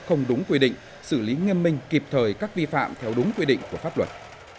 không đúng quy định xử lý nghiêm minh kịp thời các vi phạm theo đúng quy định của pháp luật